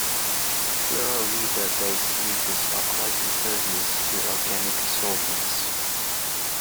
Fluoroether-based greases are quite impervious to organic solvents.